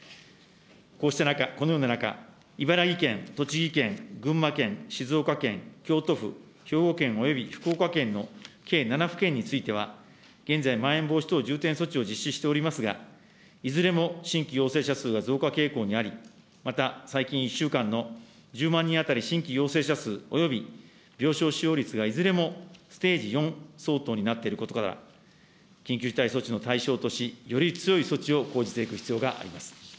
このような中、茨城県、栃木県、群馬県、静岡県、京都府、兵庫県および福岡県の計７府県については、現在、まん延防止等重点措置を実施しておりますが、いずれも新規陽性者数は増加傾向にあり、また最近１週間の１０万人当たり新規陽性者数および病床使用率がいずれもステージ４相当になっていることから、緊急事態措置の対象とし、より強い措置を講じていく必要があります。